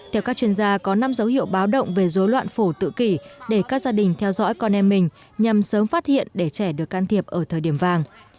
theo các chuyên gia có năm dấu hiệu báo động về dối loạn phổ tự kỷ để các gia đình theo dõi con em mình nhằm sớm phát hiện để trẻ được can thiệp ở thời điểm vàng